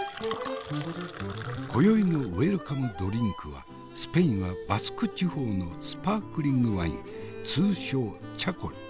今宵のウェルカムドリンクはスペインはバスク地方のスパークリングワイン通称チャコリ。